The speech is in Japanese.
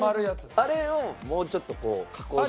あれをもうちょっとこう加工していったら。